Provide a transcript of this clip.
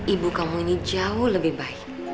ibu kamu ini jauh lebih baik